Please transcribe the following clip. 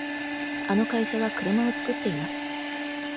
あの会社は車を作っています。